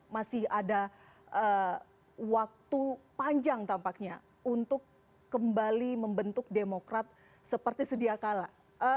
masih ada waktu panjang tampaknya untuk kembali membentuk demokrat seperti sedia kala